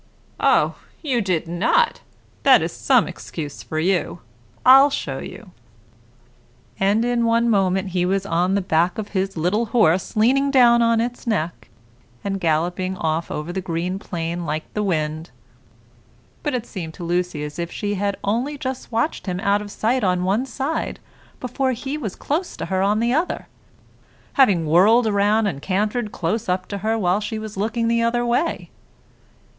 "Oh, you did not! That is some excuse for you. I'll show you." And in one moment he was on the back of his little horse, leaning down on its neck, and galloping off over the green plain like the wind; but it seemed to Lucy as if she had only just watched him out of sight on one side before he was close to her on the other, having whirled round and cantered close up to her while she was looking the other way.